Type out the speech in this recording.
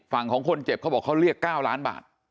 ฝั่งของคนเจ็บเขาบอกเขาเรียก๙ล้านบาท